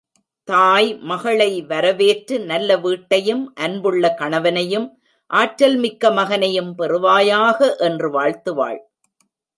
தாய் மகளை வரவேற்று, நல்ல வீட்டையும், அன்புள்ள கணவனையும் ஆற்றல்மிக்க மகனையும் பெறுவாயாக என்று வாழ்த்துவாள்.